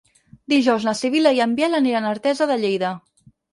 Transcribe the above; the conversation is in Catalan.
Dijous na Sibil·la i en Biel aniran a Artesa de Lleida.